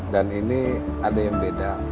dan ini ada yang beda